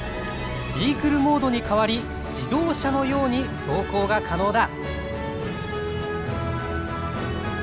ビークルモードに変わり自動車のように走行が可能だ。